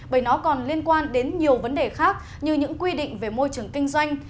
bởi nó còn liên quan đến nhiều vấn đề khác như những quy định về môi trường kinh doanh